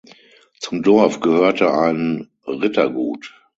Zum Dorf gehörte ein Rittergut.